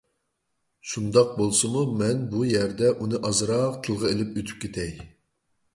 شۇنداق بولسىمۇ مەن بۇ يەردە ئۇنى ئازراق تىلغا ئېلىپ ئۆتۈپ كېتەي.